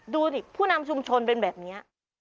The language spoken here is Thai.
ดูสิผู้นำชุมชนเป็นแบบนี้